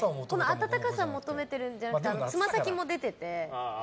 暖かさを求めてるんじゃなくてつま先も出てて。